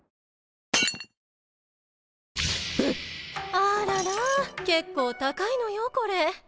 えっ⁉あらら結構高いのよこれ。